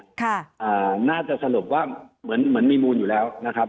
ค่ะน่าจะสรุปว่าเหมือนมีมูลอยู่แล้วนะครับ